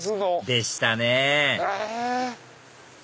でしたね